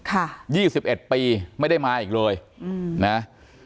ยี่สิบเอ็ดปีไม่ได้มาอีกเลยอืมนะ